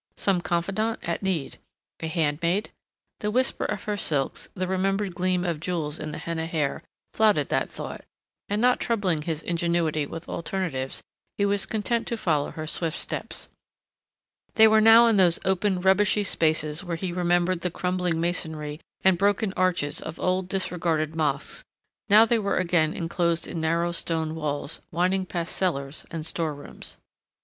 Some confidante, at need. A handmaid? The whisper of her silks, the remembered gleam of jewels in the henna hair flouted that thought, and not troubling his ingenuity with alternatives he was content to follow her swift steps. They were now in those open rubbishy spaces where he remembered the crumbling masonry and broken arches of old, disregarded mosques; now they were again enclosed in narrow stone walls, winding past cellars and store rooms.